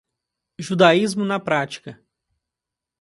Judaísmo na prática